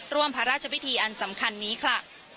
ร่วมพระราชพิธีอันสำคัญนี้ค่ะ